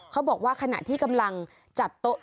เขาบอกว่าขณะที่กำลังจัดโต๊ะ